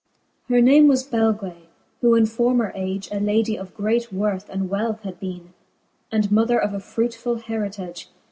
Her name was Belga, who in former age A ladie of great worth and wealth had beene, And mother of a frutefuU heritage